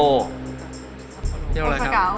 โอซากากับซัปโปรด้วย